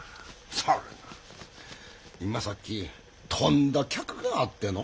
それが今さっきとんだ客があってのう。